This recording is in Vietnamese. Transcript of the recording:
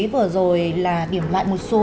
vừa rồi là điểm mạnh một số